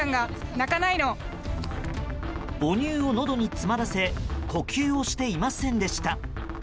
母乳をのどに詰まらせ呼吸をしていませんでした。